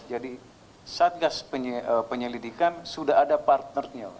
jadi satgas penyelidikan sudah ada partnernya